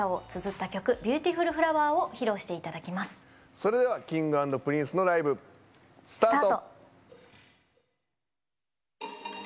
それでは Ｋｉｎｇ＆Ｐｒｉｎｃｅ のライブ、スタート。